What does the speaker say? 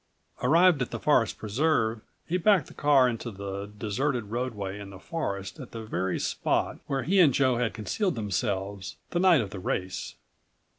Arrived at the Forest Preserve, he backed the car into the deserted roadway in the forest at the very spot where he and Joe had concealed themselves the night of the race.